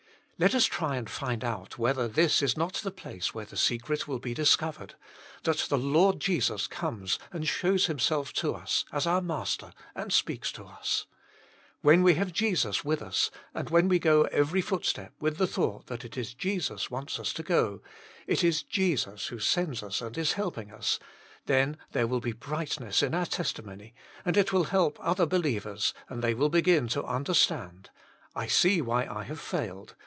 Let us try and find out whether this is not the place where the secret will be discovered — that the Lord Jesus comes and shows Himself to us as our Master and speaks to us. When we have Jesus with us, and when we go every footstep with the 34 Jesus Himself, thought that it is Jesus wants us to go, it is Jesus who sends us and is helping us, then there will be brightness in our testimony, and it will help other be lievers, and they will begin to under stand ;I see why I have failed.